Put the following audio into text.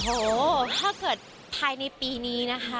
โอ้โหถ้าเกิดภายในปีนี้นะคะ